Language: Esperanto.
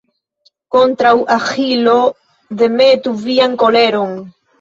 Kontraŭ Aĥilo demetu vian koleron.